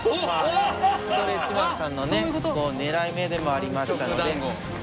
ストレッチマンさんのね狙い目でもありましたので。